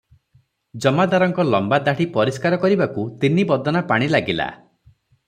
ଜମାଦାରଙ୍କ ଲମ୍ବାଦାଢ଼ି ପରିଷ୍କାର କରିବାକୁ ତିନି ବଦନା ପାଣି ଲାଗିଲା ।